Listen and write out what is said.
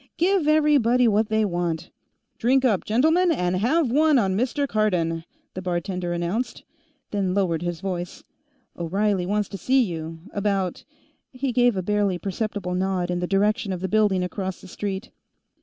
"Give everybody what they want." "Drink up, gentlemen, and have one on Mr. Cardon," the bartender announced, then lowered his voice. "O'Reilly wants to see you. About " He gave a barely perceptible nod in the direction of the building across the street.